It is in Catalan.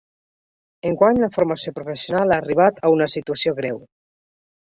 Enguany la formació professional ha arribat a una situació greu.